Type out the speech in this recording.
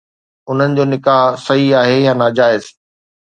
انهن جو نڪاح صحيح آهي يا ناجائز؟